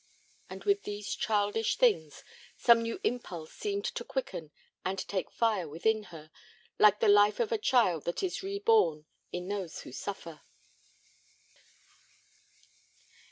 And with these childish things some new impulse seemed to quicken and take fire within her, like the life of a child that is reborn in those who suffer.